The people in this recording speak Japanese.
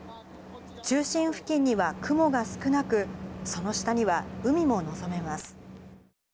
中心付近には雲が少なく、その下には海も望めます。